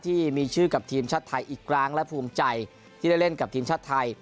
ที่มีชื่อกับทีมชาติไทยอีกครั้งและภูมิใจที่ได้เล่นกับทีมชาติไทย